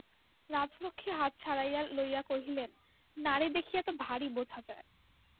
রাজলক্ষ্মী হাত ছাড়াইয়া লইয়া কহিলেন, নাড়ী দেখিয়া তো ভারি বোঝা যায়।